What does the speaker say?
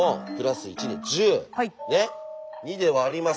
２で割ります。